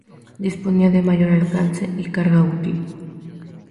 Disponía de mayor alcance y carga útil.